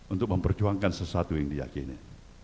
untuk memperjuangkan sesuatu yang diakini